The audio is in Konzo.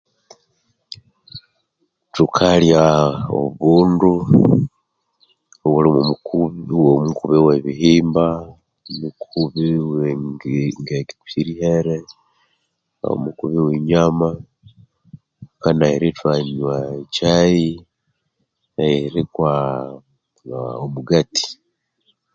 Thukalya obundu obulimo omukubi obwo mukubi we bihimba omukubi we ngege kutze erihere omukubi we nyama hakanayira ithwanywa e kyayi nerikwa mugatti